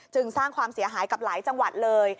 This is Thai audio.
สร้างความเสียหายกับหลายจังหวัดเลย